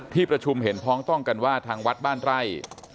ที่ประชุมเห็นพ้องต้องกันว่าทางวัดบ้านไร่